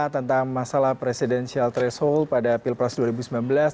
tentang masalah presidensial threshold pada pilpres dua ribu sembilan belas